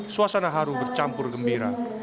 suasana haru bercampur gembira